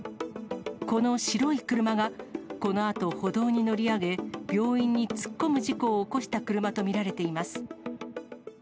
この白い車がこのあと歩道に乗り上げ、病院に突っ込む事故を起こした車と見られています。